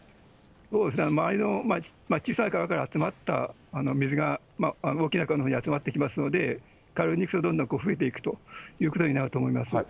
そうですね、周りの小さい川から集まった水が、大きな川のほうに集まってきますので、下流にどんどん増えていくということになると思います。